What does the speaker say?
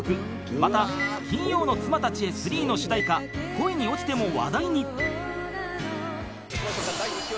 また『金曜日の妻たちへⅢ』の主題歌『恋におちて』も話題に］